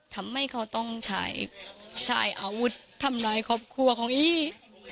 ทำให้เขาต้องใช้อาวุธทำร้ายครอบครัวของอี